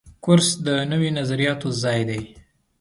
کورس د نویو نظریاتو ځای دی.